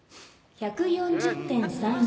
１４０．３４。